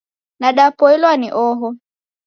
Nadapoilwa ni oho